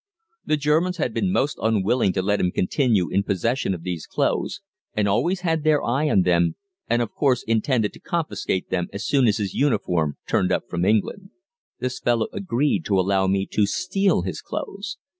The Germans had been most unwilling to let him continue in possession of these clothes, and always had their eye on them and of course intended to confiscate them as soon as his uniform turned up from England. This fellow agreed to allow me to steal his clothes.